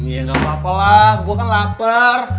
ya gapapa lah gue kan lapar